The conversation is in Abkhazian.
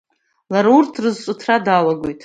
Лара урҭ рызҿыҭра далагоит…